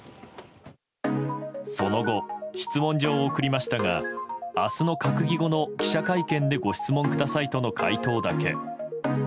その後、質問状を送りましたが明日の閣議後の記者会見でご質問くださいとの回答だけ。